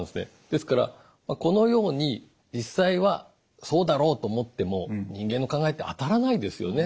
ですからこのように実際はそうだろうと思っても人間の考えって当たらないですよね。